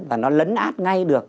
và nó lấn át ngay được